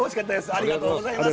ありがとうございます。